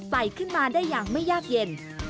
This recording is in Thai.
ขึ้นมาได้อย่างไม่ยากเย็น